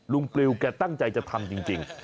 ปลิวแกตั้งใจจะทำจริง